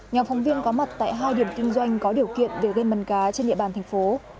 nhóm phóng viên có mặt tại hai điểm kinh doanh có điều kiện về gam mân cá trên địa bàn thành phố